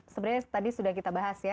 sebenarnya tadi sudah kita bahas ya